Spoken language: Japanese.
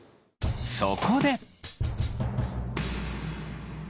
そこで。